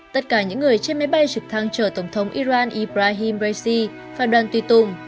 tất cả những người trên máy bay trực thăng chở tổng thống iran ibrahim raisi phản đoàn tuy tùng